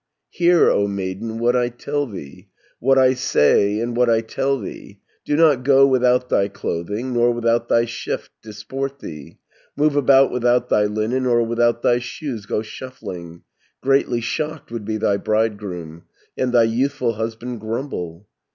"Hear, O maiden, what I tell thee, What I says and what I tell thee, Do not go without thy clothing, Nor without thy shift disport thee, Move about without thy linen, Or without thy shoes go shuffling: Greatly shocked would be thy bridegroom, And thy youthful husband grumble.